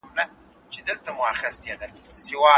صنعتي کاروبار څنګه مالي منابع کاروي؟